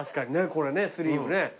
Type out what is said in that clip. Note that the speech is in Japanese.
これねスリーブね。